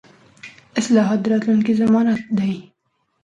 اصلاحات د راتلونکي ضمانت دي